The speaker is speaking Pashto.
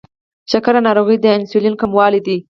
شکره ناروغي د انسولین کموالي ده.